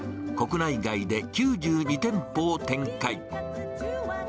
国内外で９２店舗を展開。